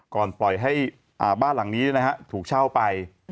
ก่อนปล่อยให้บ้านหลังนี้ถูกเช่าไป